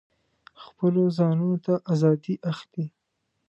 خپلو ځانونو ته آزادي اخلي.